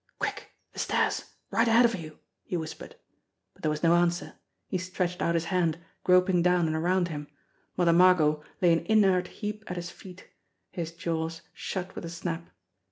"Quick! The stairs! Right ahead of you!" he whis pered. But there was no answer. He stretched out his hand, groping down and around him. Mother Margot lay an inert heap at his feet. His jaws shut with a snap.